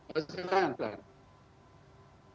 betul betul betul